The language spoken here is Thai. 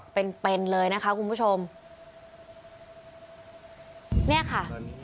เป็นเป็นเลยนะคะคุณผู้ชมเนี่ยค่ะ